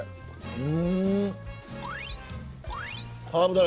うん。